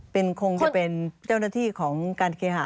คงจะเป็นเจ้าหน้าที่ของการเคหะ